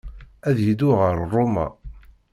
Ad yeddu ɣer Roma.